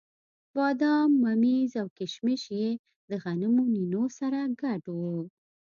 بادام، ممیز او کېشمش یې د غنمو نینو سره ګډ وو.